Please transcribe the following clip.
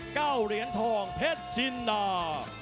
เก้าเหรียญทองเพชรจินดา